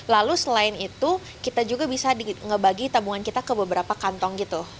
lalu selain itu kita juga bisa ngebagi tabungan kita ke beberapa kantong gitu